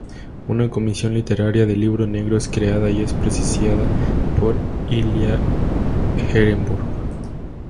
Una comisión literaria del "Libro negro" es creada y es presidida por Ilyá Ehrenburg.